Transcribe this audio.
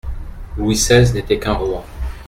Louis seize n'était qu'un roi.